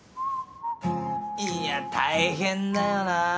いや大変だよなぁ。